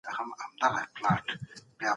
د کار په ځای کي جنسیتي تبعیض باید پای ته ورسیږي.